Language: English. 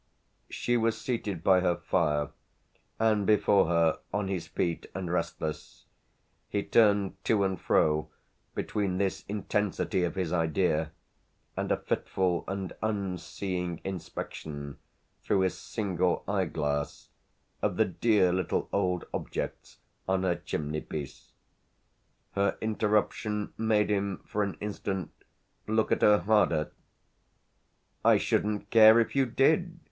She was seated by her fire, and before her, on his feet and restless, he turned to and fro between this intensity of his idea and a fitful and unseeing inspection, through his single eye glass, of the dear little old objects on her chimney piece. Her interruption made him for an instant look at her harder. "I shouldn't care if you did!"